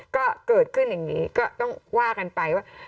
ก็เกิดขึ้นอย่างนี้ก็ต้องว่ากันไปว่า